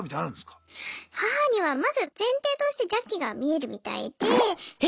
母にはまず前提として邪気が見えるみたいで。